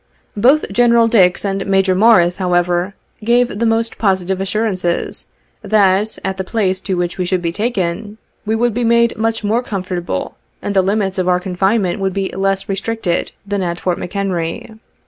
Both Gene ral Dix and Major Morris, however, gave the most positive assu rances that, at the place to which we should be taken, we would be made much more comfortable, and the limits of our confinement would be less restricted than at Fort McHenry.